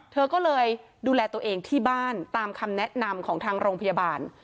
เธอก็เลยดูแลตัวเองที่บ้านตามคำแนะนำของทางโรงพยาบาล